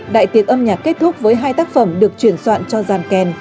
đại tiệc âm nhạc kết thúc với hai tác phẩm được chuyển soạn cho giàn kèn